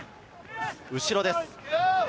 後ろです。